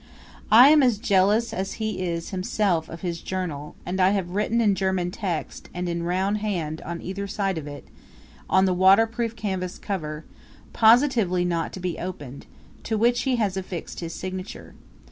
I am as jealous as he is himself of his Journal; and I have written in German text, and in round hand, on either side of it, on the waterproof canvas cover, "POSITTVELY NOT TO BE OPENED;" to which he has affixed his signature.